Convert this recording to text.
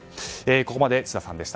ここまで智田さんでした。